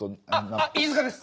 飯塚です。